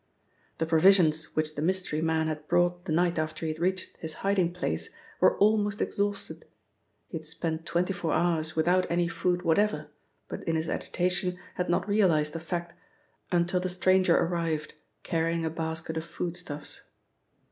The provisions which the mystery man had brought the night after he had reached his hiding place were almost exhausted (he had spent twenty four hours without any food whatever, but in his agitation had not realised the fact until the stranger arrived carrying a basket of foodstuffs).